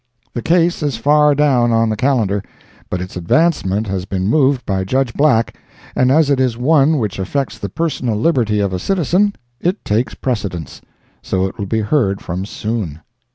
The case is far down on the calendar, but its advancement has been moved by Judge Black and as it is one which affects the personal liberty of a citizen, it takes precedence. So it will be heard from soon.